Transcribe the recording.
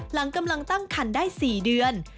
หลังกำลังตั้งคันได้๔เดือน